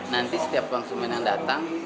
nanti setiap konsumen yang datang